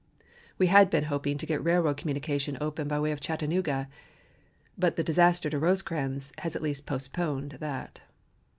We had been hoping to get railroad communication open by way of Chattanooga, but the disaster to Rosecrans has at least postponed that.